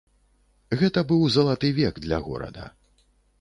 Гэта быў залаты век для горада.